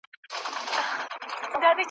يوسف عليه السلام به لوبي او سات تيری وکړي.